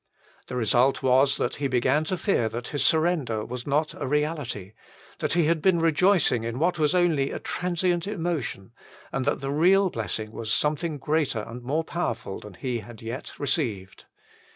The result was that he began to fear that his surrender was not a reality ; that he had been rejoicing in what was only a transient emotion ; and that the real blessing was something greater and more powerful than he had yet received.